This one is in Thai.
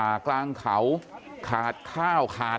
เพื่อนบ้านเจ้าหน้าที่อำรวจกู้ภัย